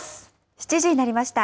７時になりました。